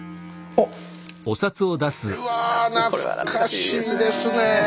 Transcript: これは懐かしいですね。